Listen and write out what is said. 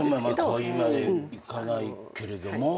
恋までいかないけれども。